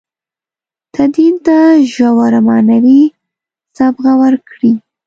تدین ته ژوره معنوي صبغه ورکړي.